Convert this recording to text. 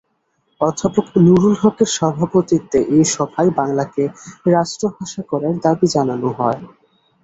অধ্যাপক নুরুল হকের সভাপতিত্বে এ সভায় বাংলাকে রাষ্ট্রভাষা করার দাবি জানানো হয়।